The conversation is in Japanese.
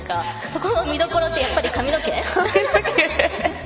そこの見どころってやっぱり髪の毛？